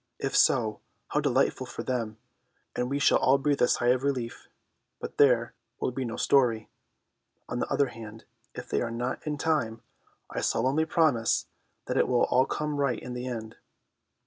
If so, how delightful for them, and we shall all breathe a sigh of relief, but there will be no story. On the other hand, if they are not in time, I solemnly promise that it will all come right in the end.